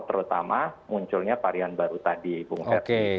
terutama munculnya varian baru tadi bung ferdi